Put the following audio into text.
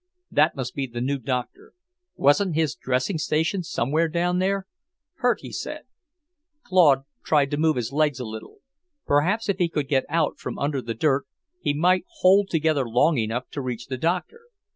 That must be the new doctor; wasn't his dressing station somewhere down here? Hurt, he said. Claude tried to move his legs a little. Perhaps, if he could get out from under the dirt, he might hold together long enough to reach the doctor.